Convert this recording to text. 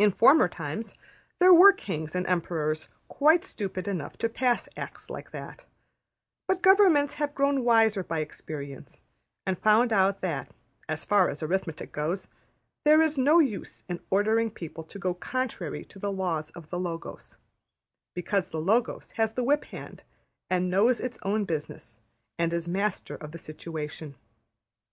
In former times there were kings and emperors quite stupid enough to pass Acts like that, but governments have grown wiser by experience and found out that, as far as arithmetic goes, there is no use in ordering people to go contrary to the laws of the Logos, because the Logos has the whip hand, and knows its own business, and is master of the situation.